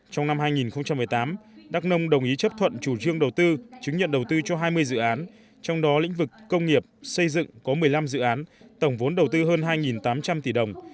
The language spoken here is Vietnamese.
trong năm hai nghìn một mươi tám đắk nông đồng ý chấp thuận chủ trương đầu tư chứng nhận đầu tư cho hai mươi dự án trong đó lĩnh vực công nghiệp xây dựng có một mươi năm dự án tổng vốn đầu tư hơn hai tám trăm linh tỷ đồng